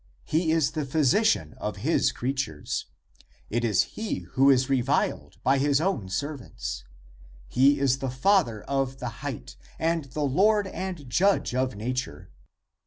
He is the Physician of his creatures. It is he who is re viled by his own servants. He is the Father of the height and the Lord and Judge of nature.